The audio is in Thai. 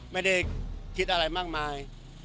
ไม่ได้คิดอะไรมากมาย